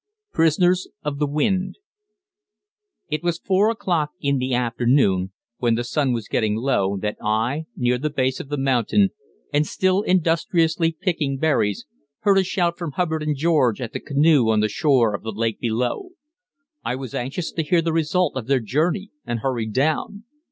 PRISONERS OF THE WIND It was four o'clock in the afternoon, when the sun was getting low, that I, near the base of the mountain and still industriously picking berries, heard a shout from Hubbard and George at the canoe on the shore of the lake below. I was anxious to hear the result of their journey, and hurried down.